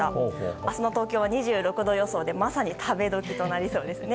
明日の東京は２６度予想でまさに食べ時となりそうですね。